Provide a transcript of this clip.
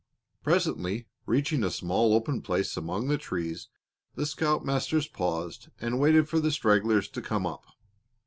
Presently, reaching a small open place among the trees, the scoutmasters paused and waited for the stragglers to come up.